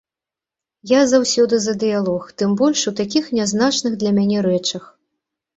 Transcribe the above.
Я заўсёды за дыялог, тым больш у такіх нязначных для мяне рэчах.